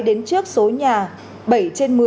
đến trước số nhà bảy trên một mươi